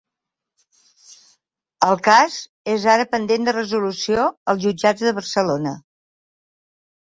El cas és ara pendent de resolució als jutjats de Barcelona.